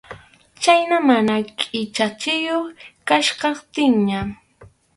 Khayna mana qʼichachiyuq kachkaptinñan.